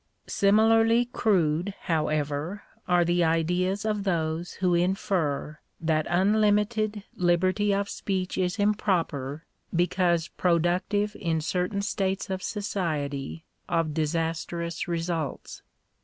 Similarly crude, however, are the ideas of those who infer that unlimited liberty of speech is improper, because productive in certain states of society of disastrous results.